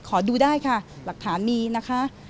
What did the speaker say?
ขอดูได้ค่ะหลักฐานมีนะคะ